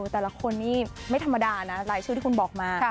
แต่ละคนนี่ไม่ธรรมดานะรายชื่อที่คุณบอกมา